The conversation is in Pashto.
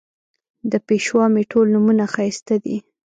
د پېشوا مې ټول نومونه ښایسته دي